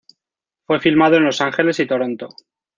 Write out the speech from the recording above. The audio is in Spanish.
Fue filmado en Los Ángeles y Toronto.